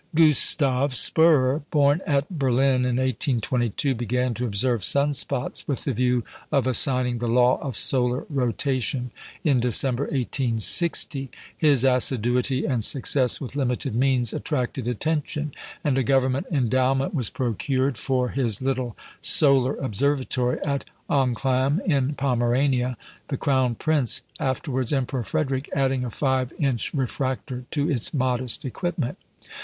Gustav Spörer, born at Berlin in 1822, began to observe sun spots with the view of assigning the law of solar rotation in December, 1860. His assiduity and success with limited means attracted attention, and a Government endowment was procured for his little solar observatory at Anclam, in Pomerania, the Crown Prince (afterwards Emperor Frederick) adding a five inch refractor to its modest equipment.